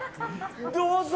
どうぞ！